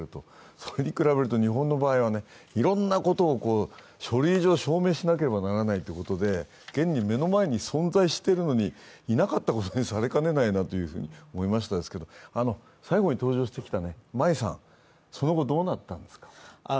それに比べると日本の場合は、いろんなことを書類上証明しなければならないということで、現に目の前に存在しているのにいなかったことにされかねないなと思いましたけど最後に登場してきた舞さん、その後、どうなったんですか？